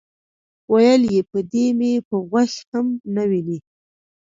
ویل یې: په دې به مې غوږ هم نه وینئ.